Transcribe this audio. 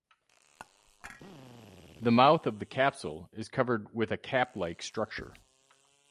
The mouth of the capsule is covered with a cap-like structure.